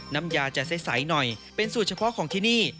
น้ำยาจะใสหน่อยเป็นสูตรเฉพาะของที่นี่